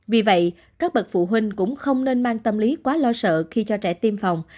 vì vậy các bậc phụ huynh cũng không nên mang tâm lý quá lo sợ khi cho trẻ tiêm phòng